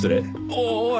おおい！